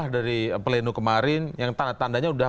dari mana saktinya